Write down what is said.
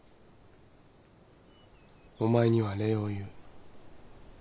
お前には礼を言う。